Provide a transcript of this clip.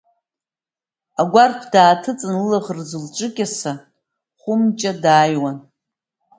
Агәарԥ дааҭыҵны, лылаӷырӡ лҿыкьаса, Хәымҷа дааиуан.